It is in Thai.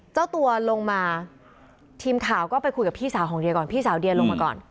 เจ้าตัวลงมาทีมข่าวก็ไปคุยกับพี่สาวของเดียก่อนพี่สาวเดียลงมาก่อน